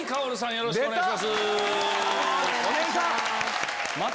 よろしくお願いします。